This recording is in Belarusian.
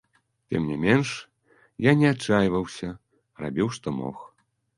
Тым не менш, я не адчайваўся, рабіў, што мог.